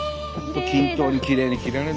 均等にきれいに切られるね。